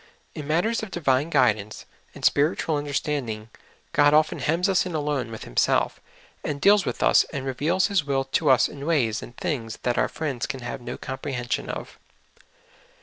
In matters of divine guidance and spiritual understanding, God often hems us in alone ALONE WITH GOD. 83 with Himself, and deals with us and reveals His will to us in wa3'S and things that our friends can have no comprehension of.